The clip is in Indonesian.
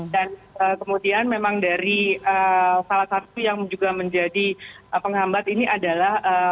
dan kemudian memang dari salah satu yang juga menjadi penghambat ini adalah